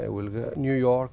tôi làm việc ở new york